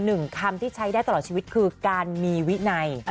หนึ่งคำที่ใช้ได้ตลอดชีวิตคือการมีวินัย